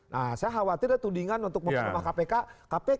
nah saya khawatir tuh dindingan untuk memperkenalkan kpk